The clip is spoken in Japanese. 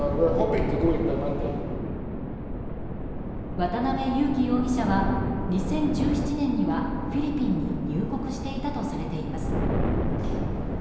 渡邉優樹容疑者は２０１７年にはフィリピンに入国していたとされています。